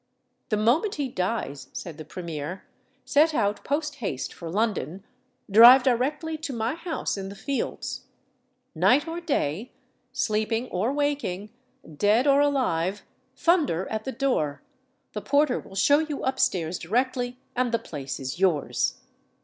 "The moment he dies," said the premier, "set out post haste for London; drive directly to my house in the Fields: night or day, sleeping or waking, dead or alive, thunder at the door; the porter will show you upstairs directly; and the place is yours."